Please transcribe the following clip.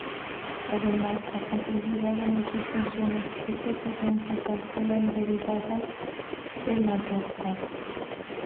Además, la complejidad de muchas funciones crece según se calculan derivadas de mayor grado.